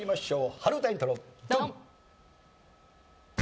春うたイントロドン！